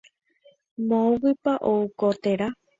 Moõguipa ou ko téra.